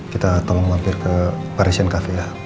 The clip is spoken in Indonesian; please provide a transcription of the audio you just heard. kita tolong mampir ke parisan cafe ya